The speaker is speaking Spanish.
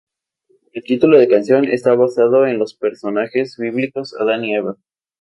El título de canción está basado en los personajes bíblicos Adán y Eva.